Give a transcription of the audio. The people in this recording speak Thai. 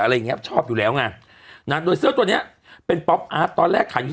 อะไรอย่างเงี้ยชอบอยู่แล้วไงนะโดยเสื้อตัวเนี้ยเป็นป๊อปอาร์ตตอนแรกขันอยู่